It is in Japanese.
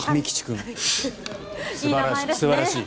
素晴らしい。